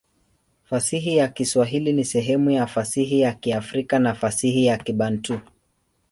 Fasihi ya Kiswahili ni sehemu ya fasihi ya Kiafrika na fasihi ya Kibantu.